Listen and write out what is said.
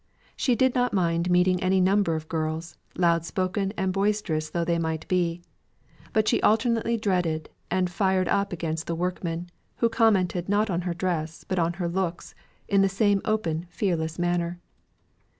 She did not mind meeting any number of girls, loud spoken and boisterous though they might be. But she alternately dreaded and fired up against the workmen, who commented not on her dress, but on her looks, in the same open, fearless manner.